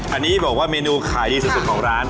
อันนี้บอกว่าเมนูขายดีสุดของร้าน